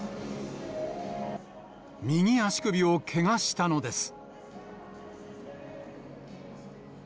右足首をけがしたのです。